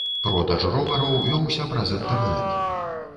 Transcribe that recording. Продаж ровараў вёўся праз інтэрнэт.